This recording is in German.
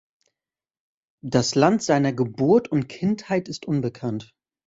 Das Land seiner Geburt und Kindheit ist unbekannt.